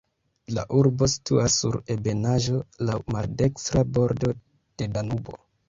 La urbo situas sur ebenaĵo, laŭ maldekstra bordo de Danubo.